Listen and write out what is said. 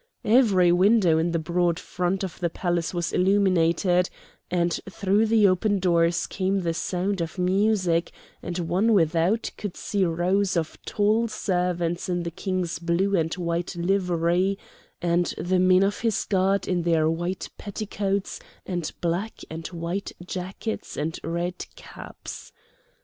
Every window in the broad front of the palace was illuminated, and through the open doors came the sound of music, and one without could see rows of tall servants in the King's blue and white livery, and the men of his guard in their white petticoats and black and white jackets and red caps.